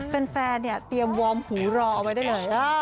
แฟนเนี่ยเตรียมวอร์มหูรอเอาไว้ได้เลย